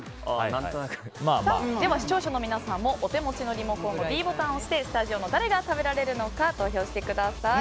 視聴者の皆さんもお手持ちのリモコンのｄボタンを押してスタジオの誰が食べられるのか投票してください。